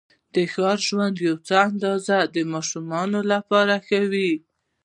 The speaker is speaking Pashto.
د ښار ژوند یوه څه اندازه د ماشومانو لپاره ښه وې.